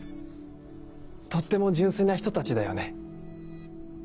とっても純粋な人たちだよね。